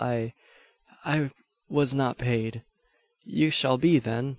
I I was not paid." "You shall be, then!